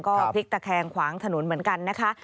ก็พลิกตะแคงขวางถนนเหมือนกันนะคะ